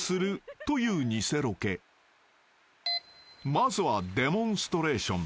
［まずはデモンストレーション］